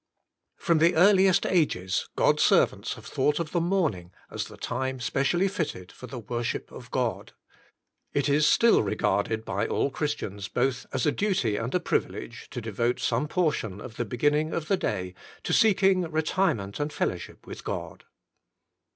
From the earliest ages God's servants have thought of the morning as the time specially fitted for the worship of God. It is still regarded by all Chris tians both as a duty and a privilege to devote some portion of the beginning of the day to seeking retirement and fellowship with God.